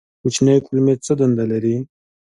کوچنۍ کولمې څه دنده لري؟